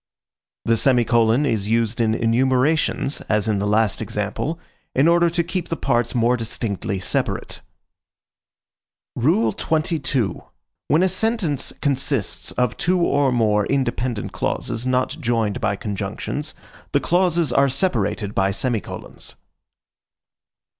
The semicolon is used in enumerations, as in the last example, in order to keep the parts more distinctly separate. XXII. When a sentence consists of two or more independent clauses not joined by conjunctions, the clauses are separated by semicolons.